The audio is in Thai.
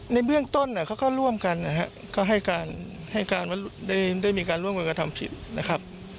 ในเรื่องต้นเขาก็ร่วมกันนะครับก็ให้มีการร่วมกันกับทำผิดนะครับ